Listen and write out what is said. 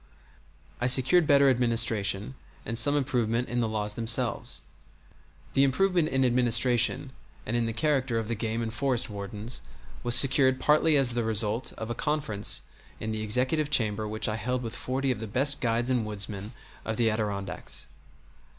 I secured better administration, and some improvement in the laws themselves. The improvement in administration, and in the character of the game and forest wardens, was secured partly as the result of a conference in the executive chamber which I held with forty of the best guides and woodsmen of the Adirondacks.